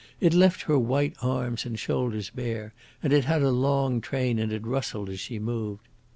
It left her white arms and shoulders bare, and it had a long train, and it rustled as she moved.